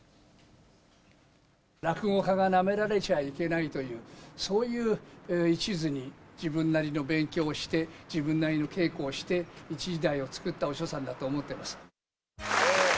落語家がなめられちゃいけないという、そういういちずに自分なりの勉強をして、自分なりの稽古をして、一時代を作ったお師匠さんだと思ってます。